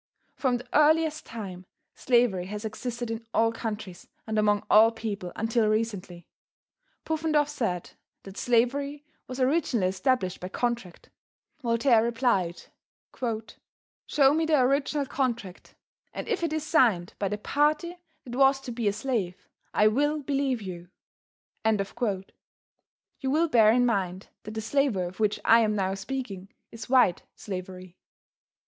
From the earliest time, slavery has existed in all countries, and among all people until recently. Pufendorf said that slavery was originally established by contract. Voltaire replied, "Show me the original contract, and if it is signed by the party that was to be a slave I will believe you." You will bear in mind that the slavery of which I am now speaking is white slavery.